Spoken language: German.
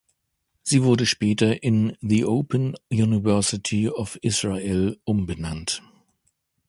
Sie wurde später in „The Open University of Israel“ umbenannt.